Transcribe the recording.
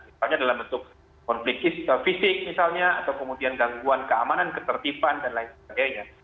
misalnya dalam bentuk konflik fisik misalnya atau kemudian gangguan keamanan ketertiban dan lain sebagainya